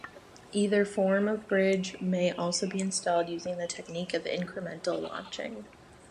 Either form of bridge may also be installed using the technique of incremental launching.